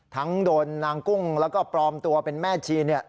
ทั้งโดนนางกุ้งแล้วก็ปลอมตัวเป็นแม่ชีเนี่ย